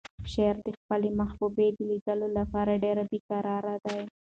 شاعر د خپلې محبوبې د لیدو لپاره ډېر بې قراره دی.